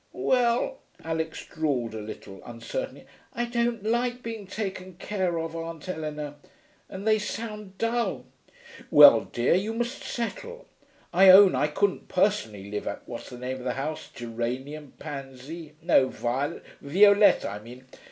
'Well ' Alix drawled a little, uncertainly. 'I don't like being taken care of, Aunt Eleanor. And they sound dull.' 'Well, dear, you must settle. I own I couldn't personally live at what's the name of the house Geranium Pansy no, Violet Violette, I mean.